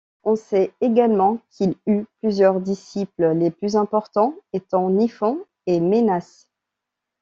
On sait également qu'il eut plusieurs disciples, les plus importants étant Niphon et Ménas.